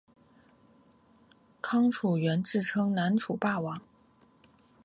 康楚元自称南楚霸王。